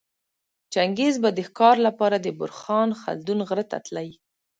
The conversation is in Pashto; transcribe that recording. چنګیز به د ښکاره لپاره د برخان خلدون غره ته تلی